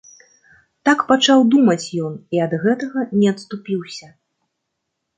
Так пачаў думаць ён і ад гэтага не адступіўся.